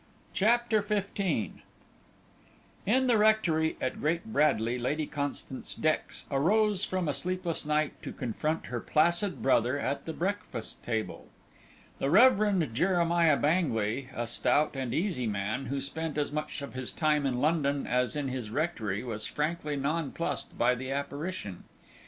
CHAPTER XV In the rectory at Great Bradley, Lady Constance Dex arose from a sleepless night to confront her placid brother at the breakfast table. The Reverend Jeremiah Bangley, a stout and easy man, who spent as much of his time in London as in his rectory, was frankly nonplussed by the apparition.